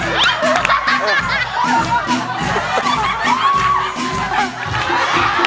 โอ้โห